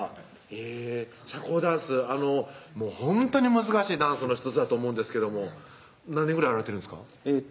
へぇ社交ダンスほんとに難しいダンスの１つだと思うんですけども何年ぐらいやられてるんですか？